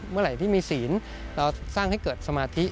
เมื่อไหร่ที่มีศีลเราสร้างให้เกิดสมาธิ